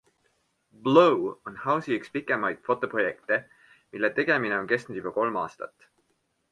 BLOW on Hausi üks pikemaid fotoprojekte, mille tegemine on kestnud juba kolm aastat.